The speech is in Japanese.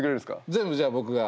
全部じゃあ僕が。